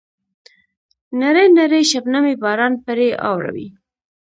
نری نری شبنمي باران پرې اوروي.